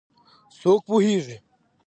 څوک پوهیږېي